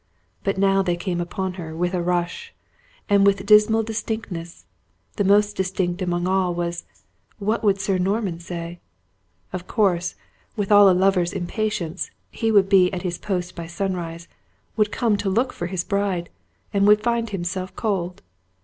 But now they came upon her with a rush, and with dismal distinctness; and most distinct among all was, what would Sir Norman say! Of course, with all a lover's impatience, he would be at his post by sunrise, would come to look for his bride, and find himself sold!